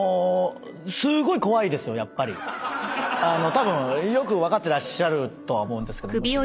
たぶんよく分かってらっしゃるとは思うんですけどむしろ。